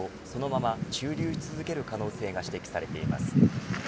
そのまま駐留し続ける可能性が指摘されています。